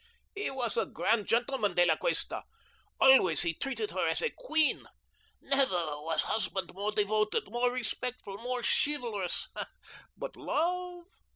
Ah, he was a grand gentleman, De La Cuesta. Always he treated her as a queen. Never was husband more devoted, more respectful, more chivalrous. But love?"